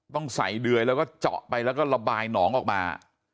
ต้องใส่เดือยแล้วก็เจาะไปแล้วก็ระบายหนองออกมา